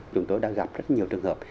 chúng tôi đã gặp rất nhiều trường hợp